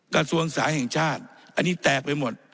กระทรวงสาธาแห่งชาติอันนี้แตกไปหมด